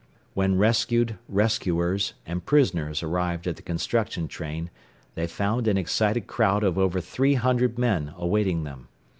When rescued, rescuers and prisoners arrived at the construction train they found an excited crowd of over three hundred men awaiting them.